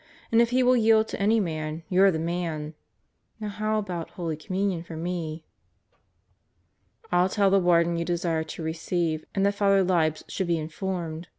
But if he will yield to any man, you're the man. Now how about Holy Communion for me?" "I'll tell the Warden you desire to receive and that Father Libs should be informed.